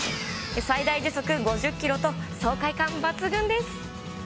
最大時速５０キロと、爽快感抜群です。